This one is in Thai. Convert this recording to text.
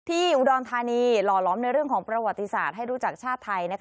ที่อุดรธานีหล่อล้อมในเรื่องของประวัติศาสตร์ให้รู้จักชาติไทย